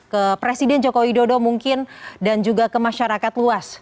ke presiden joko widodo mungkin dan juga ke masyarakat luas